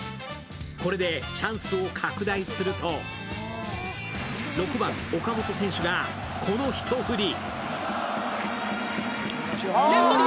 これでチャンスを拡大すると６番・岡本選手がこの一振り。